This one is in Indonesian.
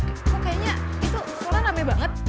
kok kayaknya itu foran rame banget